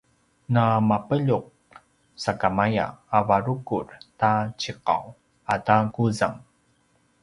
na mapeljuq sakamaya a varukur ta ciqaw ata quzang